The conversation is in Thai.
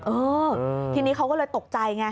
เออทีนี้เขาก็เลยตกใจไง